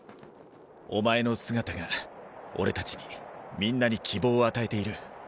お前の姿が俺たちにみんなに希望を与えている。